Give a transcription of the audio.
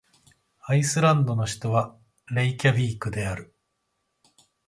アイスランドの首都はレイキャヴィークである